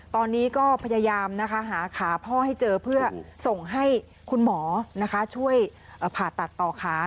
ตอนนี้ก็พยายามหาขาพ่อให้เจอเพื่อส่งให้คุณหมอช่วยผ่าตัดต่อขา